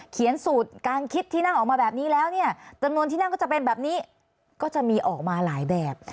สูตรการคิดที่นั่งออกมาแบบนี้แล้วเนี่ยจำนวนที่นั่งก็จะเป็นแบบนี้ก็จะมีออกมาหลายแบบ